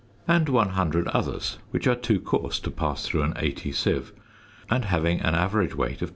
and 100 others, which are too coarse to pass through an 80 sieve, and having an average weight of